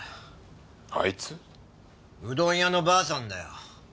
うどん屋のばあさんだよ。